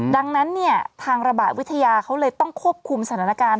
ดังนั้นเนี่ยทางระบาดวิทยาเขาเลยต้องควบคุมสถานการณ์